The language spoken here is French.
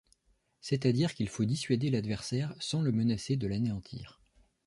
C'est-à-dire qu'il faut dissuader l'adversaire sans le menacer de l'anéantir.